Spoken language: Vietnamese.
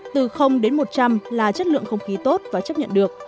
từ đến một trăm linh là chất lượng không khí tốt và chấp nhận được